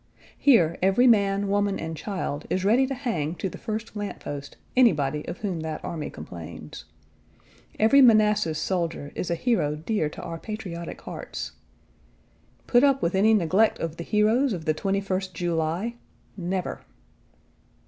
Here every man, woman, and child is ready to hang to the Page 98 first lamp post anybody of whom that army complains. Every Manassas soldier is a hero dear to our patriotic hearts. Put up with any neglect of the heroes of the 21st July never!